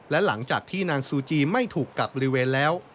และหลังจากที่นางซูจีไม่ถูกกักบริเวณแล้ว